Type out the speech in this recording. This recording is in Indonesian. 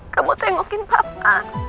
kamu tengokin papa